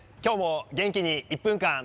今日も元気に「１分間！